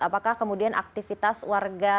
apakah kemudian aktivitas warga